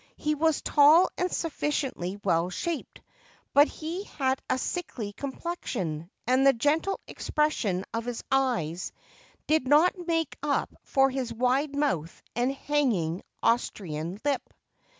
He was tall and sufficiently well shaped, but he had a sickly com plexion, and the gentle expression of his eyes did not make up for his wide mouth and hanging Austrian lip.